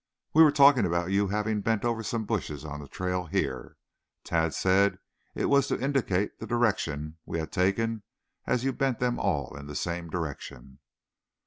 We were talking about your having bent over some bushes on the trail here. Tad said it was to indicate the direction we had taken as you bent them all in the same direction."